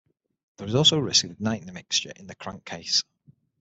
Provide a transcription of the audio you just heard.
There is also a risk of igniting the mixture in the crankcase.